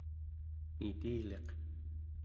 nitiliq